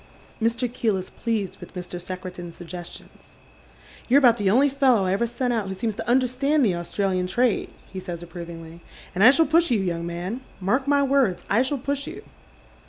Mr. Keel is pleased with Mr. Secretan's suggestions. " You're about the only fellow I ever sent out who seems to understand the Australian trade," he says approvingly, " and I »hall push you, young man, mark my words, I shall push you."